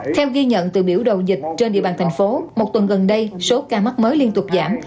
theo ghi nhận từ biểu đầu dịch trên địa bàn thành phố một tuần gần đây số ca mắc mới liên tục giảm